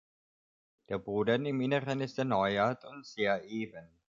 Der Boden im Innern ist erneuert und sehr eben.